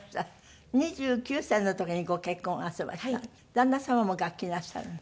旦那様も楽器なさるの？